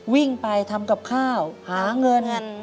วิ่งไปทำกับข้าวหาเงิน